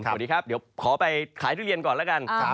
สวัสดีครับขอไปขายทุกเย็นก่อนแล้วกัน